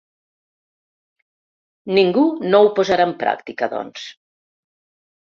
Ningú no ho posarà en pràctica, doncs.